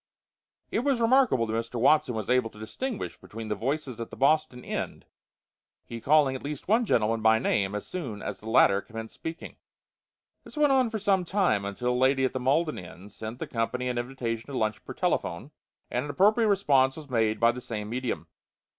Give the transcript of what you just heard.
It was remarkable that Mr. Watson was able to distinguish between the voices at the Boston end, he calling at least one gentleman by name as soon as the latter commenced speaking. This went on for some time, until a lady at the Malden end sent the company an invitation to lunch per telephone, and an appropriate response was made by the same medium.